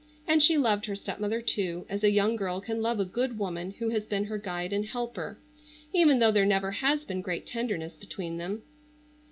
And she loved her stepmother too, as a young girl can love a good woman who has been her guide and helper, even though there never has been great tenderness between them.